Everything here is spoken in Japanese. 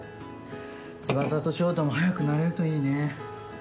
翼と翔太も早く慣れるといいね。